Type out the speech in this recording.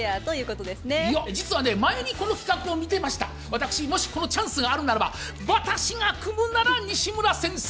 私もしこのチャンスがあるならば私が組むなら西村先生